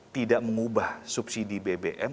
tidak mengubah subsidi bbm